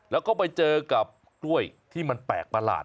แล้วก็ไปเจอกับกล้วยที่มันแปลกประหลาด